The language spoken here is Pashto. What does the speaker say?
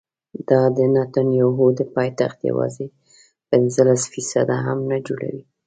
دا د نبطیانو د پایتخت یوازې پنځلس فیصده هم نه جوړوي.